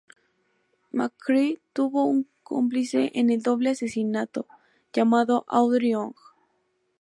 McCrea tuvo un cómplice en el doble asesinato, llamado Audrey Ong.